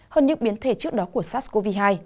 hơn những biến thể trước đó của sars cov hai